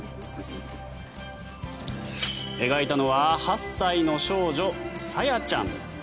描いたのは８歳の少女Ｓａｙａちゃん。